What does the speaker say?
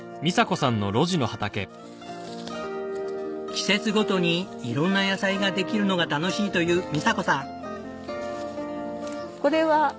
季節ごとに色んな野菜ができるのが楽しいというみさ子さん。